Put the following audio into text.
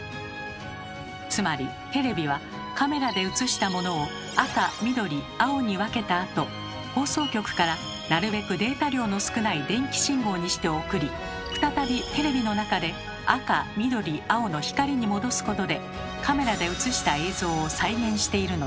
つまりテレビはカメラで写したものを赤緑青に分けたあと放送局からなるべくデータ量の少ない電気信号にして送り再びテレビの中で赤緑青の光に戻すことでカメラで写した映像を再現しているのです。